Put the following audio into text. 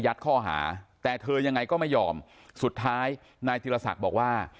ข้อหาแต่เธอยังไงก็ไม่ยอมสุดท้ายนายธิรศักดิ์บอกว่า